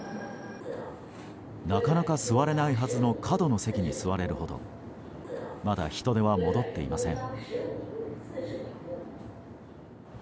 なかなか座れないはずの角の席に座れるほどまだ人出は戻っていません。